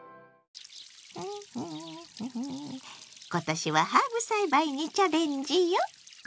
今年はハーブ栽培にチャレンジよ！